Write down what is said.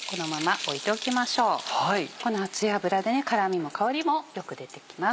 この熱い油で辛みも香りもよく出てきます。